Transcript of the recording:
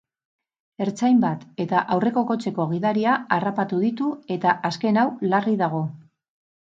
Ertzain bat eta aurreko kotxeko gidaria harrapatu ditu eta azken hau larri dago.